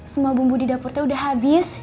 semua bumbu di dapurnya sudah habis